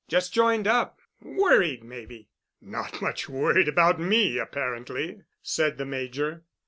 "Just joined up. Worried, maybe." "Not much worried about me, apparently," said the Major.